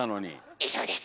以上です！